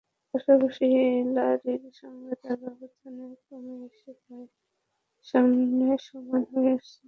পাশাপাশি হিলারির সঙ্গে তাঁর ব্যবধানও কমে এসে প্রায় সমানে সমান হয়ে এসেছিল।